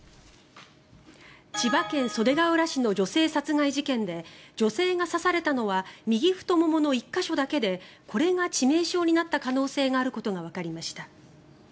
千葉県袖ケ浦市の女性殺害事件で女性が刺されたのは右太ももの１か所だけでこれが致命傷になった可能性があることがわかりました。